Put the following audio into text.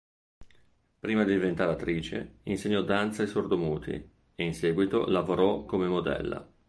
Prima di diventare attrice, insegnò danza ai sordomuti, e in seguito lavorò come modella.